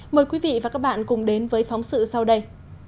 mời quý vị và các bạn cùng đến với phóng sự sau đây